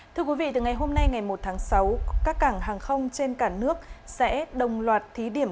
thưa quý vị từ ngày hôm nay ngày một tháng sáu các cảng hàng không trên cả nước sẽ đồng loạt thí điểm